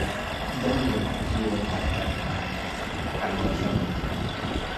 ደአም ወድ-ሐሺል እብ ሐቴ' አካን ተሐልወሸ ምኑ'"።